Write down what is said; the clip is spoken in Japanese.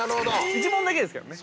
◆１問だけですけどね。